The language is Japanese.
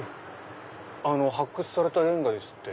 発掘されたレンガですって。